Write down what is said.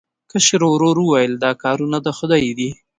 کشر ورور وویل دا کارونه د خدای دي.